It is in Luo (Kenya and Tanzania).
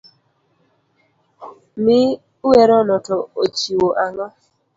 Mi werono to ochiwo ang'o.